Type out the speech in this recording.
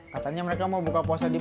katanya mereka mau buka puasa